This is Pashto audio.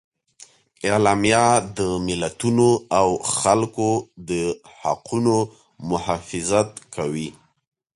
اعلامیه د ملتونو او خلکو د حقونو محافظت کوي.